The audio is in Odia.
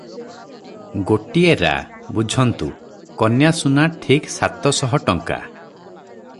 ଗୋଟିଏ ରା - ବୁଝନ୍ତୁ, କନ୍ୟାସୁନା ଠିକ ସାତ ଶହ ଟଙ୍କା ।